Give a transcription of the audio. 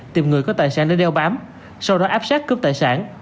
tìm người có tài sản để đeo bám sau đó áp sát cướp tài sản